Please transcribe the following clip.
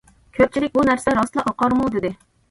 كۆپچىلىك:« بۇ نەرسە راستلا ئاقارمۇ؟» دېدى.